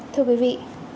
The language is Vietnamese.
thưa quý vị